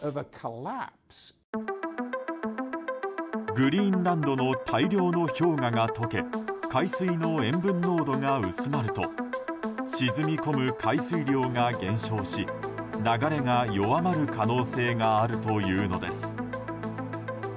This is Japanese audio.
グリーンランドの大量の氷河が解け海水の塩分濃度が薄まると沈み込む海水量が減少し流れが弱まる可能性があるというのです。